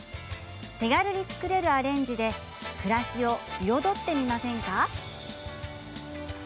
手軽に作れるアレンジで暮らしを彩ってみませんか？